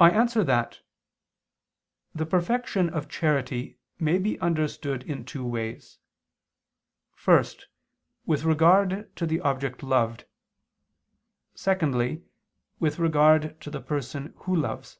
I answer that, The perfection of charity may be understood in two ways: first with regard to the object loved, secondly with regard to the person who loves.